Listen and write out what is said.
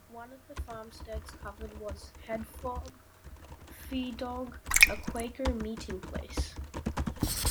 One of the farmsteads covered was Hafod Fadog, a Quaker meeting place.